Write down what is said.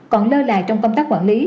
còn lơ lại trong công tác quản lý